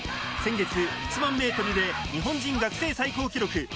先月１００００ｍで日本人学生最高記録。